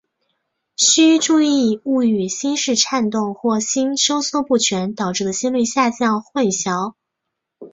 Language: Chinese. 须注意勿与心室颤动或心收缩不全导致的心率下降混淆。